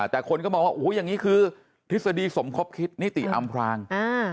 แต่คนก็มองว่าโอ้โหอย่างนี้คือทฤษฎีสมคบคิดนิติอำพราง